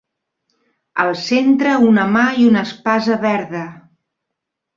Al centre una mà i una espasa verda.